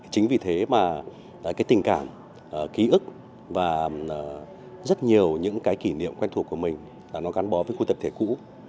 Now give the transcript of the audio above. chính vì thế mà tình cảm ký ức và rất nhiều những kỷ niệm quen thuộc của mình gắn bó với khu tập thể cũ